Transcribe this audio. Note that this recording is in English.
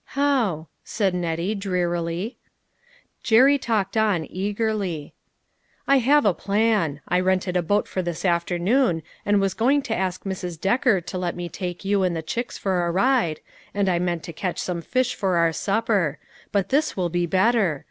"How?" asked Nettie, drearily. Jerry talked on eagerly. " I have a plan ; I rented a boat for this afternoon, and was going to ask Mrs. Decker to let me take you and the chicks for a ride, and I meant to catch some fish for our supper ; but this will be better.